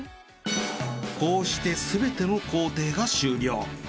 こうしてすべての行程が終了。